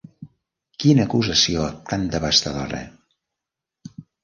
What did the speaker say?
Quina acusació tan devastadora.